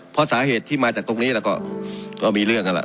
เพราะสาเหตุที่มาจากตรงนี้ก็มีเรื่อง